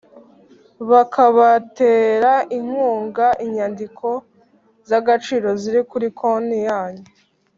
bakabaterainkungainyandiko zagaciro ziri kuri konti yanyu